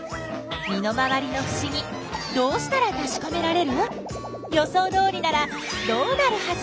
身の回りのふしぎどうしたらたしかめられる？予想どおりならどうなるはず？